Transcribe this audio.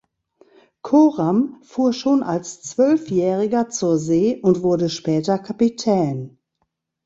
Coram fuhr schon als zwölfjähriger zur See und wurde später Kapitän.